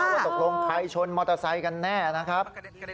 ว่าตกลงใครชนมอเตอร์ไซค์กันแน่นะครับ